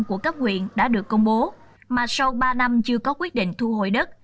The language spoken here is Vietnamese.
của cấp huyện đã được công bố mà sau ba năm chưa có quyết định thu hồi đất